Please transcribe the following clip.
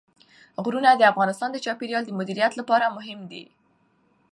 غرونه د افغانستان د چاپیریال د مدیریت لپاره مهم دي.